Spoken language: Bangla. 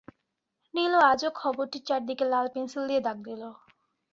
নীলু আজও খবরটির চারদিকে লাল পেনসিল দিয়ে দাগ দিল।